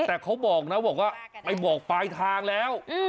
แต่เขาบอกนะบอกว่าไปบอกปลายทางแล้ว